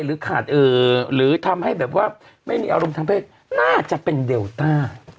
หรือทำให้แบบว่าไม่มีอารมณ์ทางเพศน่าจะเป็นเดลต้า